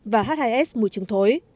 và h hai s mùi khai